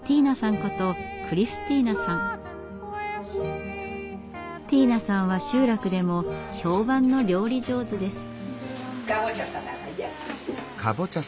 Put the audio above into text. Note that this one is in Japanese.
ことティーナさんは集落でも評判の料理上手です。